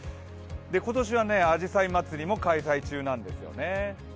今年はあじさいまつりも開催中なんですね。